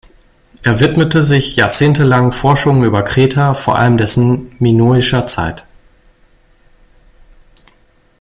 Er widmete sich jahrzehntelang Forschungen über Kreta, vor allem dessen minoischer Zeit.